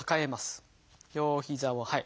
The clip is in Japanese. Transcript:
両膝をはい。